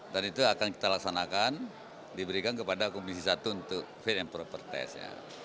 dan itu akan kita laksanakan diberikan kepada komisi satu untuk fit and proper test